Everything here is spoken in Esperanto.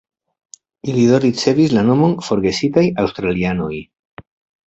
Ili do ricevis la nomon "Forgesitaj Aŭstralianoj".